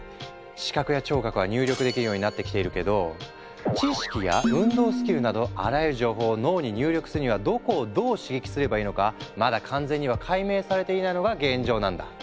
視覚や聴覚は入力できるようになってきているけど知識や運動スキルなどあらゆる情報を脳に入力するにはどこをどう刺激すればいいのかまだ完全には解明されていないのが現状なんだ。